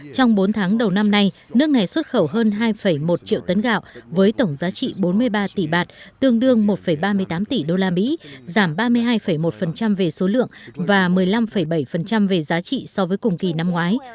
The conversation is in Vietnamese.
trong bốn tháng đầu năm nay nước này xuất khẩu hơn hai một triệu tấn gạo với tổng giá trị bốn mươi ba tỷ bạt tương đương một ba mươi tám tỷ usd giảm ba mươi hai một về số lượng và một mươi năm bảy về giá trị so với cùng kỳ năm ngoái